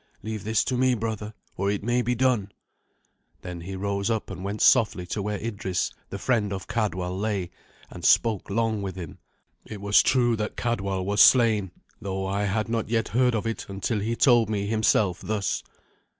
Leave this to me, brother, for it may be done." Then he rose up and went softly to where Idrys, the friend of Cadwal, lay, and spoke long with him. It was true that Cadwal was slain, though I had not yet heard of it until he told me himself thus.